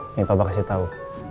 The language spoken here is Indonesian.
ini papa kasih tau